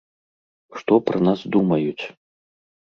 Што пра нас думаюць?